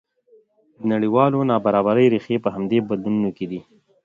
د نړیوالې نابرابرۍ ریښې په همدې بدلونونو کې دي.